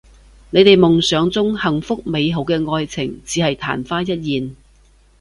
你哋夢想中幸福美好嘅愛情只係曇花一現